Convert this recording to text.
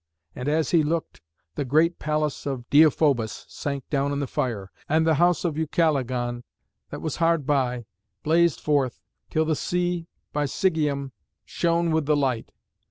And as he looked, the great palace of Deïphobus sank down in the fire, and the house of Ucalegon, that was hard by, blazed forth, till the sea by Sigeüm shone with the light.